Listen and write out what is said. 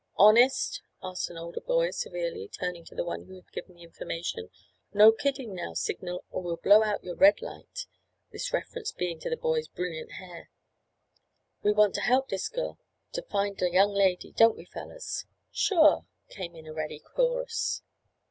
"Honest?" asked an older boy severely, turning to the one who had given the information. "No kiddin' now, Signal, or we'll blow out your red light," this reference being to the boy's brilliant hair. "We want t' help dis gurl t' find de young lady, don't we fellers?" "Sure," came in a ready chorus.